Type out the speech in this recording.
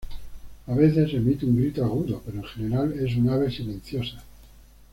A veces emite un grito agudo; pero en general es un ave silenciosa.